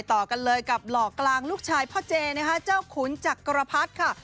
ต่อกันเลยกับหล่อกลางลูกชายพ่อเจนะคะเจ้าขุนจักรพรรดิค่ะ